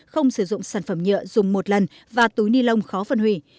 không sử dụng sản phẩm nhựa dùng một lần và túi ni lông khó phân hủy